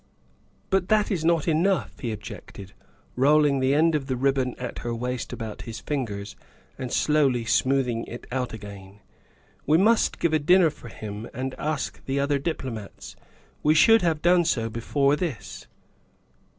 " But that is not enough," he objected, rolling the end of the ribbon at her waist about his fingers and slowly smoothing it out again, " we must give a dinner for him and ask the other diplomats. We should have done so before this."